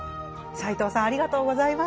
斎藤さんありがとうございました。